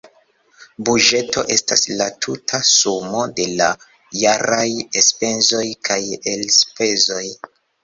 Buĝeto estas la tuta sumo de la jaraj enspezoj kaj elspezoj.